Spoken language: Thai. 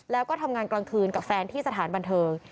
แล้วก็ทำงานกลางคืนกับแฟนที่สถานบันเทิง